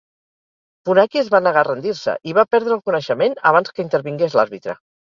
Funaki es va negar a rendir-se i va perdre el coneixement abans que intervingués l'àrbitre.